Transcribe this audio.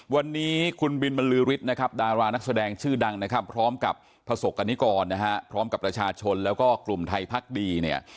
วันนี้คุณบิยมลือฤทธิ์นะครับดารานักแสดงชื่อดังขับพระศกรณิกรพระชาชนและกลุ่มไทยภักดี